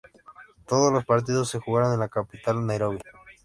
Todos los partidos se jugaron en la capital Nairobi.